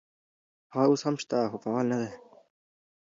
هغه اوس هم شته خو فعال نه دي.